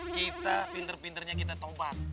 kita pinter pinternya kita tobat